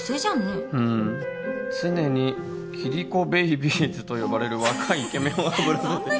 キリコベイビーズ”と呼ばれる若いイケメンをはべらせて」